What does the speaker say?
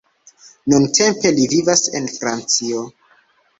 Nuntempe li vivas en Francio.